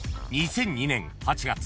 ［２００２年８月］